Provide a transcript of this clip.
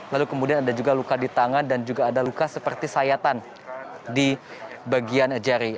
lalu kemudian ada juga luka di tangan dan juga ada luka seperti sayatan di bagian jari